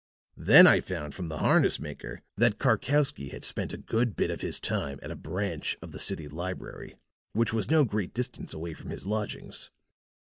"Then I found from the harness maker that Karkowsky had spent a good bit of his time at a branch of the city library which was no great distance away from his lodgings.